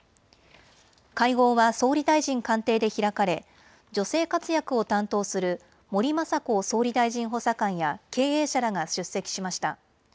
会合は総理大臣官邸で開かれ女性活躍を担当する森まさこ総理大臣補佐官や経営者らが出席しました。